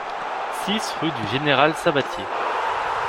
six rue du Général Sabatier